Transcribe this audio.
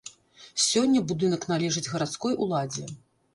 Сёння будынак належыць гарадской уладзе.